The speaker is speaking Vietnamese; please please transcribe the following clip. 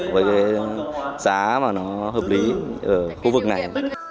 với cái giá mà nó hợp lý ở khu vực này